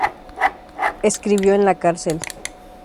Escribió en la cárcel.